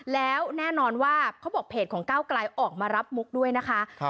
แล้วแน่นอนว่าเขาบอกเพจของก้าวกลายออกมารับมุกด้วยนะคะ